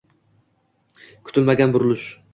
Kutilmagan burilish